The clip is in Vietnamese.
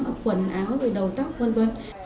ở quần áo rồi đầu tóc v v